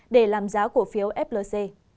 để làm giá cổ phiếu flc